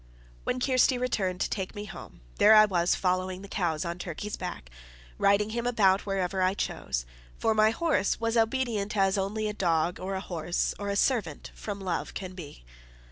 When Kirsty returned to take me home, there was I following the cows on Turkey's back, riding him about wherever I chose; for my horse was obedient as only a dog, or a horse, or a servant from love can be.